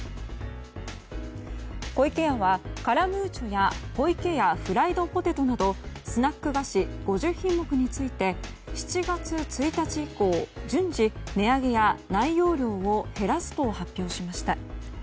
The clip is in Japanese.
湖池屋は、カラムーチョや湖池屋フライドポテトなどスナック菓子５０品目について７月１日以降、順次値上げや内容量を減らすと発表しました。